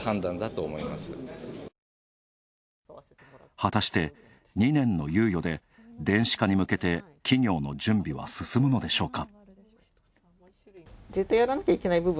果たして、２年の猶予で電子化に向けて企業の準備は進むのでしょうか。